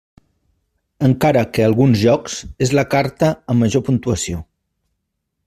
Encara que alguns jocs és la carta amb major puntuació.